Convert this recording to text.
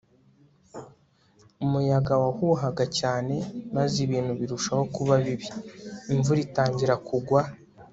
umuyaga wahuhaga cyane, maze ibintu birushaho kuba bibi, imvura itangira kugwa